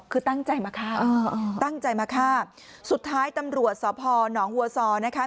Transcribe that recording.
คือตั้งใจมาฆ่าตั้งใจมาฆ่าสุดท้ายตำรวจสพนวัวซอนะคะ